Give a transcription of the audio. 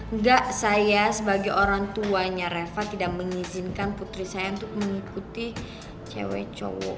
enggak saya sebagai orang tuanya reva tidak mengizinkan putri saya untuk mengikuti cewek cewek